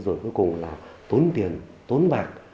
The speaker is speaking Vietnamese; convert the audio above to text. rồi cuối cùng là tốn tiền tốn bạc